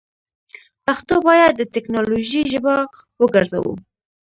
پښتو باید دټیکنالوژۍ ژبه وګرځوو.